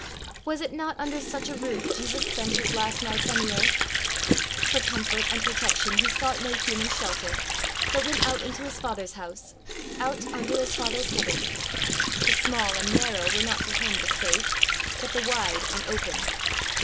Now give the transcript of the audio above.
Was it not under such a roof Jesus spent his last nights on the earth! For comfort and protection he sought no human shelter, but went out into his Father's house out under his Father's heaven! The small and narrow were not to him the safe, but the wide and open.